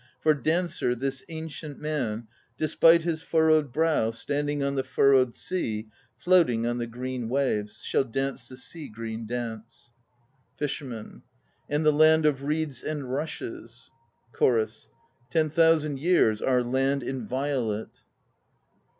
For dancer this ancient man Despite his furrowed brow Standing on the furrowed sea Floating on the green waves Shall dance the Sea Green Dance. FISHERMAN. And the land of Reeds and Rushes ... CHORUS. Ten thousand years our land inviolate!